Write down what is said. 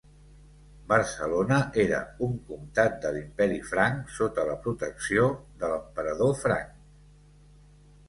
Barcelona era un comtat de l'Imperi Franc, sota la protecció de l'Emperador Franc.